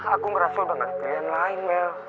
aku merasa benar pilihan lain mel